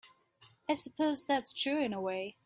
I suppose that's true in a way.